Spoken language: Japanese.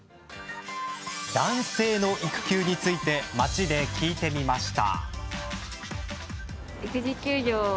男性の育休について街で聞いてみました。